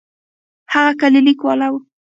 هغه کلينيک والا.